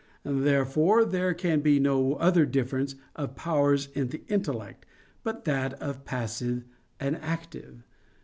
Therefore there can be no other difference of powers in the intellect, but that of passive and active.